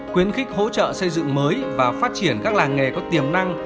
khuyến khích hỗ trợ xây dựng mới và phát triển các làng nghề có tiềm năng